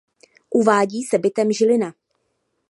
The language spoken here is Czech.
Uvádí se bytem Žilina.